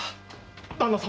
旦那様！